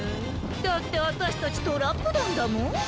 だってあたしたちトラップだんだもん。